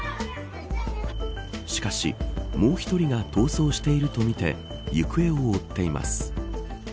しかしもう１人が逃走しているとみて行方を追っています。